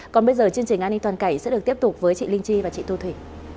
còn bây giờ chương trình an ninh toàn cảnh sẽ được tiếp tục với chị linh chi và chị tô thủy